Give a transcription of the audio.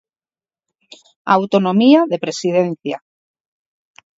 Autonomía de Presidencia.